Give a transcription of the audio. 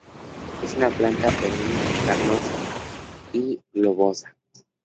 Es una planta perenne carnosa y globosa.